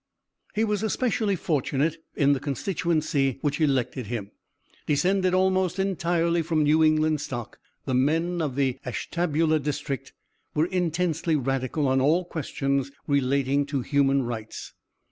"He was especially fortunate in the constituency which elected him. Descended almost entirely from New England stock, the men of the Ashtabula district were intensely radical on all questions relating to human rights.